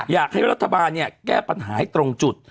อยากให้รัฐบาลแก้ปัญหาให้ตรงจุด